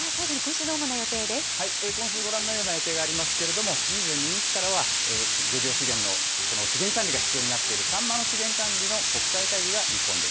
今週、ご覧のような予定がありますけれども、２２日からは、漁業資源の資源管理が必要になっているサンマの資源管理の国際会